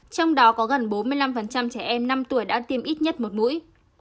trong đó có gần bốn mươi năm trẻ em năm tuổi đã tiêm ít nhất một mũi